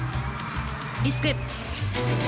リスク。